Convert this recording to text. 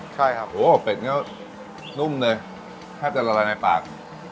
ใช่ครับโหเต็ดเงี๊ยวนุ่มเลยแค่จะละลายในปาก